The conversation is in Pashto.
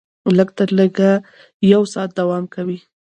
لږ تر لږه یو ساعت دوام کوي.